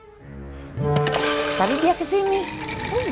kenapa kamu selalu ada whitih di kampung bos